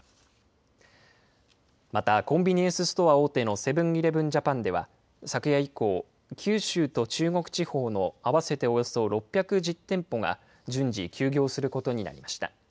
また、コンビニエンスストア大手のセブン−イレブン・ジャパンでは、昨夜以降、九州と中国地方の合わせておよそ６１０店舗が順次休業することになりました。